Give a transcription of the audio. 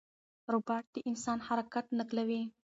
روباټ د انسان حرکت نقلوي.